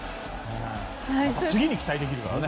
次に期待できるからね。